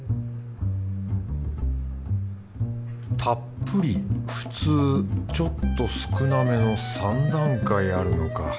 たっぷりふつうちょっと少なめの三段階あるのか